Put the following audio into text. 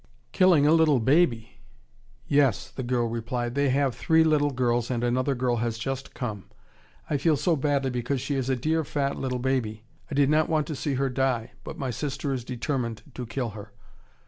"Killing a little baby!" "Yes," the girl replied, "they have three little girls and another girl has just come. I feel so badly because she is a dear, fat, little baby. I did not want to see her die, but my sister is determined to kill her."